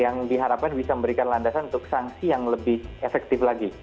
yang diharapkan bisa memberikan landasan untuk sanksi yang lebih efektif lagi